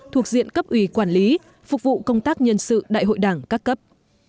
thuộc diện cấp ủy quản lý phục vụ công tác nhân sự đại hội đảng các cấp